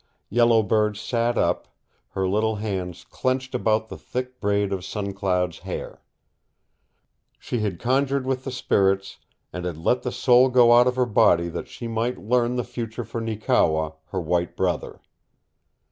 Yellow Bird sat up, her little hands clenched about the thick braid of Sun Cloud's hair. She had conjured with the spirits and had let the soul go out of her body that she might learn the future for Neekewa, her white brother.